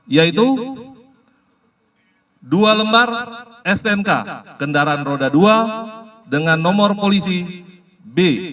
yaitu dua lembar stnk kendaraan roda dua dengan nomor polisi b